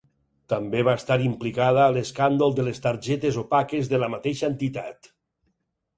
També va estar implicada a l'escàndol de les targetes opaques de la mateixa entitat.